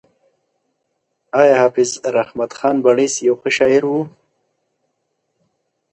ایا حافظ رحمت خان بړیڅ یو ښه شاعر هم و؟